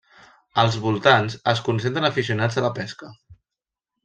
Als voltants es concentren aficionats a la pesca.